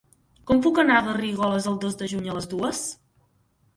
Com puc anar a Garrigoles el dos de juny a les dues?